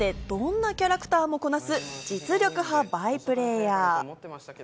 どんなキャラクターもこなす実力派バイプレーヤー。